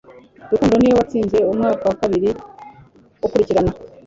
Rukundo niwe watsinze umwaka wa kabiri ukurikirana